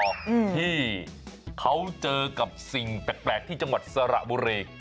ที่เขาเจอกับสิ่งแปลกที่จังหวัดสระบุรี